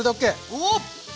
おっ！